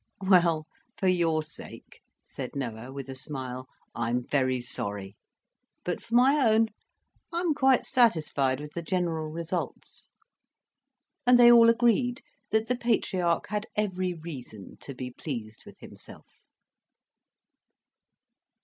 "Well, for your sake," said Noah, with a smile, "I'm very sorry; but for my own, I'm quite satisfied with the general results." And they all agreed that the patriarch had every reason to be pleased with himself.